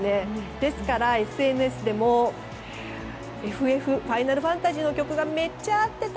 ですから、ＳＮＳでも「ファイナルファンタジー」の曲がめっちゃ合ってた。